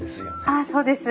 ああそうです。